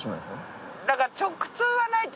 だから。